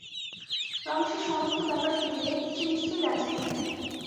রমেশের সমস্ত ব্যাপার শুনিলে সে নিশ্চয় রাজি হইবে।